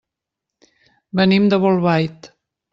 Venim de Bolbait.